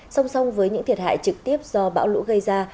song song với những thiệt hại trực tiếp do bão lũ gây ra